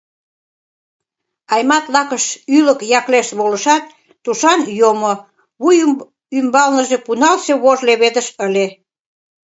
Аймат лакыш ӱлык яклешт волышат, тушан йомо, вуй ӱмбалныже пуналтше вож леведыш ыле.